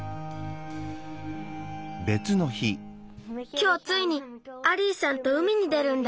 きょうついにアリーさんと海に出るんだ。